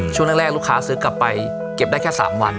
ช่วงแรกลูกค้าซื้อกลับไปเก็บได้แค่๓วัน